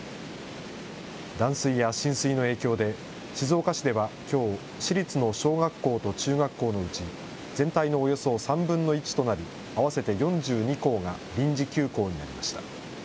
断水や浸水の影響で、静岡市ではきょう、市立の小学校と中学校のうち、全体のおよそ３分の１となる合わせて４２校が臨時休校になりました。